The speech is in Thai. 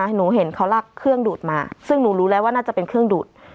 เห็นเขาลากเครื่องดูดมาซึ่งหนูรู้แล้วว่าน่าจะเป็นเครื่องดูด